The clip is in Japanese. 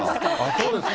そうですか。